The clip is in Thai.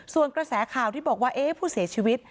ส่วนกระแสข่าวที่บอกว่าผู้เสียชีวิต